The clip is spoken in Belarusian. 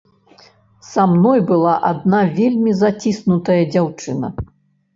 Са мной была адна вельмі заціснутая дзяўчына.